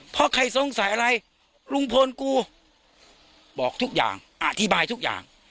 เพราะใครสงสัยอะไรลุงพลกูบอกทุกอย่างอธิบายทุกอย่าง